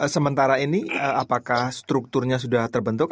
sementara ini apakah strukturnya sudah terbentuk